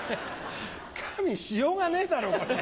加味しようがねえだろ。